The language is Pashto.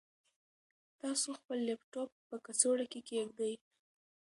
تاسو خپل لپټاپ په کڅوړه کې کېږدئ.